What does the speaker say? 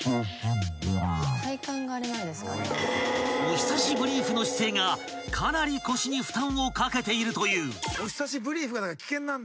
［「おひさしブリーフ」の姿勢がかなり腰に負担をかけているという］